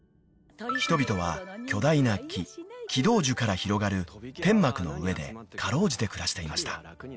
［人々は巨大な木軌道樹から広がる天膜の上で辛うじて暮らしていました］